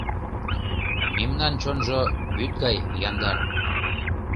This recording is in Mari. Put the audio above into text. Мемнан чонжо вӱд гай яндар